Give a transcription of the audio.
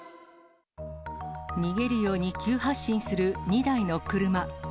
逃げるように急発進する２台の車。